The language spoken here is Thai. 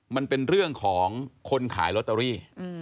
มันเป็นเรื่องของคนขายลอตเตอรี่